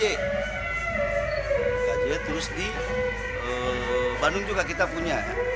ikj terus di bandung juga kita punya